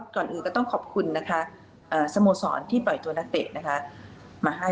ก่อนอื่นก็ต้องขอบคุณนะคะสโมสรที่ปล่อยตัวนักเตะนะคะมาให้